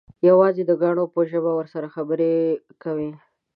یوازې د کاڼو په ژبه ورسره خبرې کولې.